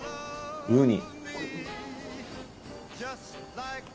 ウニ。